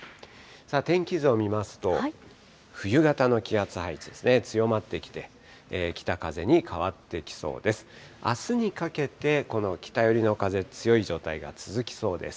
天気図を見ますと、冬型の気圧配置ですね、強まってきて、北風に変わってきそうです。